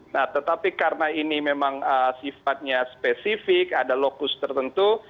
nah tetapi karena ini memang sifatnya spesifik ada lokus tertentu